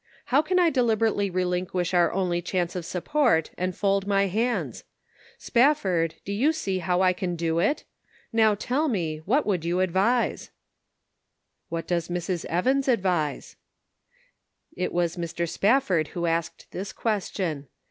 How can I deliberately relinquish our only chance of support and fold my hands ? Spafford, do you see how I can do it? Now, tell me, what would you advise ?"" What does Mrs. Evans advise ?" It was Mr. Spafford who asked this question.